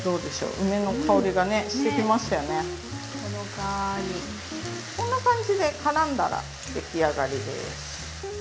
こんな感じでからんだらできあがりです。